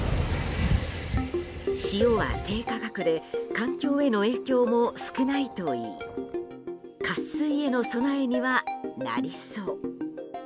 塩は低価格で環境への影響も少ないといい渇水への備えにはなりそう。